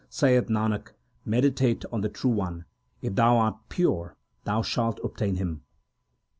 Saith Nanak, meditate on the True One ; If thou art pure, thou shalt obtain Him.